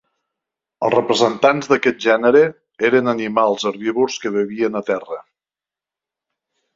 Els representants d'aquest gènere eren animals herbívors que vivien a terra.